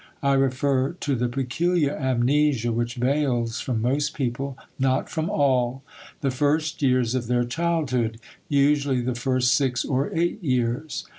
I refer to the peculiar amnesia which veils from most people (not from all!) the first years of their childhood, usually the first six or eight years.